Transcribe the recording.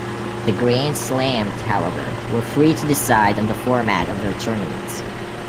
The grand slams, however, were free to decide on the format of their tournaments.